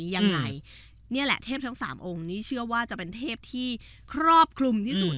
ยังไงนี่แหละเทพทั้งสามองค์นี้เชื่อว่าจะเป็นเทพที่ครอบคลุมที่สุด